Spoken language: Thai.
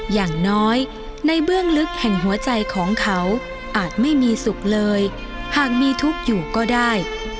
อย่างน้อยในเบื้องลึกแห่งหัวใจของเขาอาจไม่มีสุขเลยหากมีทุกข์อยู่ก็ได้